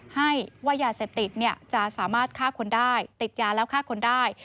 ให้ว่ายาเสพติดจะสามารถฆ่าคนได้ติดยาแล้วฆ่าคนได้